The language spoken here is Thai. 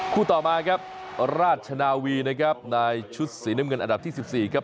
ต่อมาครับราชนาวีนะครับในชุดสีน้ำเงินอันดับที่๑๔ครับ